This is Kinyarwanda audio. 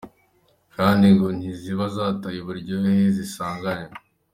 Kandi ngo ntiziba zataye uburyohe zisanganywe.